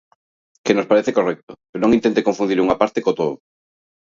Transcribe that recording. Que nos parece correcto, pero non intente confundir unha parte co todo.